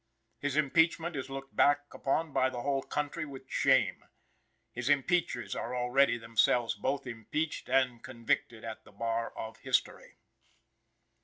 His impeachment is looked back upon by the whole country with shame. His impeachers are already, themselves, both impeached and convicted at the bar of history.